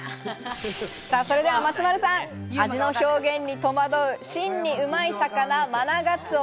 それでは松丸さん、味の表現に戸惑う、真にうまい魚、マナガツオ。